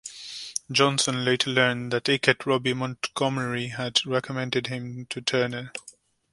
Johnson later learned that Ikette Robbie Montgomery had recommended him to Turner.